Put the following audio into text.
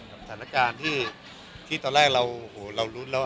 สถานการณ์ที่ตอนแรกเรารู้แล้ว